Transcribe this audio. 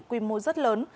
quy mô rất lớn